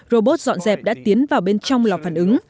robot dọn dẹp đã tiến vào bên trong lò phản ứng